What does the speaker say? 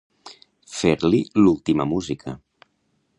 Fer-li l'última música.